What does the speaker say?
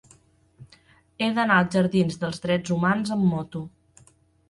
He d'anar als jardins dels Drets Humans amb moto.